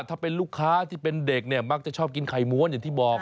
ถ้าเป็นลูกค้าที่เป็นเด็กเนี่ยมักจะชอบกินไข่ม้วนอย่างที่บอก